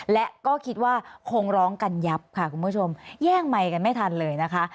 และก็คิดว่าคงร้องกันยับค่ะคุณผู้ชมแย่งไมค์กันไม่ทันเลยนะคะ